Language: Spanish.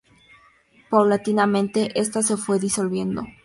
Paulatinamente, esta se fue disolviendo.